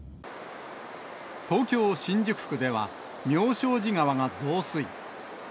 東京・新宿区では、妙正寺川が増水。